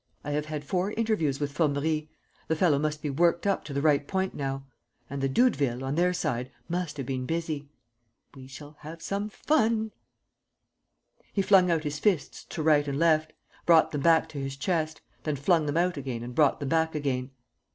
I have had four interviews with Formerie. The fellow must be worked up to the right point now. And the Doudevilles, on their side, must have been busy. ... We shall have some fun!" He flung out his fists to right and left, brought them back to his chest, then flung them out again and brought them back again.